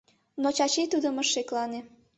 Но Чачи тудым ыш шеклане.